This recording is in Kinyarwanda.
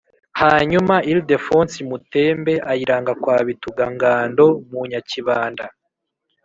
hanyuma Ildefonsi Mutembe ayiranga kwa Bitugangando, mu Nyakibanda.